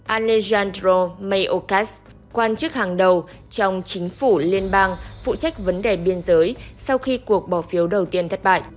alesandro mayokas quan chức hàng đầu trong chính phủ liên bang phụ trách vấn đề biên giới sau khi cuộc bỏ phiếu đầu tiên thất bại